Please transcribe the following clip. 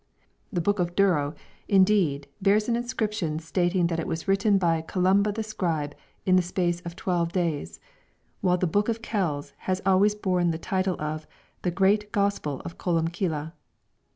The "Book of Durrow," indeed, bears an inscription stating that it was written by "Columba the scribe in the space of twelve days," while the "Book of Kells" has always borne the title of the "Great Gospel of Columbcille."